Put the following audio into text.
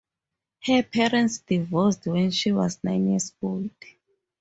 Her parents divorced when she was nine years old.